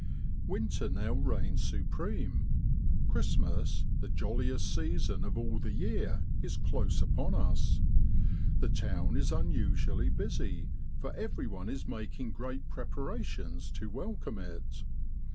Winter now reigns supreme. Christmas, the jolliest season of all the year, is close upon us. The town is unusually busy, for everyone is making great preparations to welcome it.